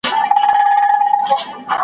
د زاهد له قصده راغلم د زُنار تر پیوندونو .